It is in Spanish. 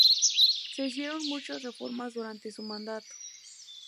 Se hicieron muchas reformas durante su mandato.